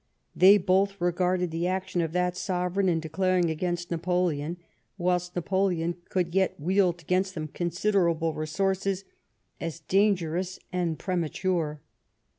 They both regarded the action of that sovereign, in declaring against Napoleon whilst Napoleon could yet wield against them considerable re sources, as dangerous and premature.